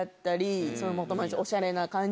おしゃれな感じ